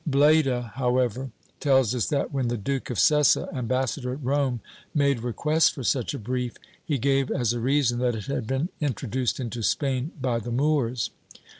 Bleda, however, tells us that, when the Duke of Sessa, ambassador at Rome, made request for such a brief, he gave as a reason that it had been intro duced into Spain by the Moors.